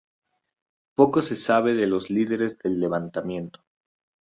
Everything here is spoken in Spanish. Poco se sabe de los líderes del levantamiento.